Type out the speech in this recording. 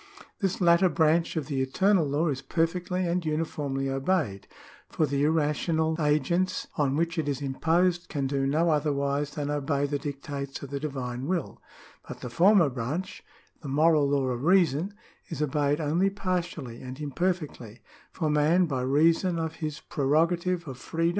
^ This latter branch of the eternal law is perfectly and uniformly obeyed ; for the irrational agents on which it is imposed can do no otherwise than obey the dictates of the divine will. But the former branch — the moral law of reason — ^is obeyed only partially and im perfectly ; for man by reason of his prerogative of freedom 1 Proverbs, 8. 29. 2 job, 28. 26. 3 Summa, 1. 2. q.